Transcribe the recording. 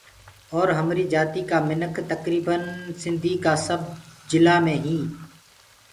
اور همريٚ جآتيٚ ڪآ مِنک تڪرٚڦن سنڌي ڪآ سب جِلآ مي هينٚ